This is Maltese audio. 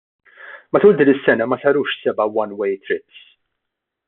Matul din is-sena ma sarux seba' ' one way trips '.